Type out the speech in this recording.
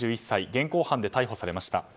現行犯で逮捕されました。